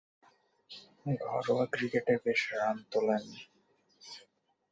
ঘরোয়া ক্রিকেটে বেশ রান তুলেন।